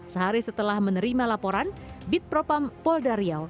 sehari setelah menerima laporan bit propampol dari riau